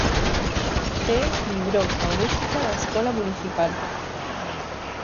Cee vibrou coa música da escola municipal.